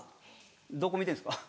どこ見てんですか？